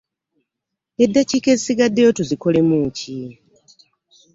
Eddakiika ezisigaddeyo tuzikolemu ki?